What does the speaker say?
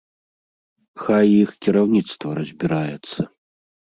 Хай іх кіраўніцтва разбіраецца.